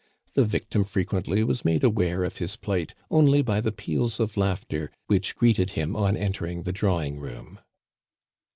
The victim frequently was made aware of his plight only by the peals of laughter which greeted him on entering the drawing room.